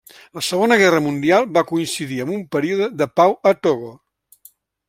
La Segona Guerra Mundial va coincidir amb un període de pau a Togo.